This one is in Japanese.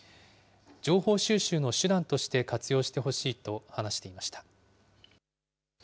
情報収集の手段として活用してほしいと話していました。